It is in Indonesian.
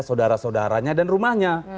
saudara saudaranya dan rumahnya